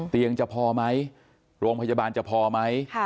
เตียงจะพอมั๊ยโรงพยาบาลจะพอมั๊ย